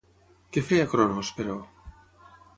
Què feia Cronos, però?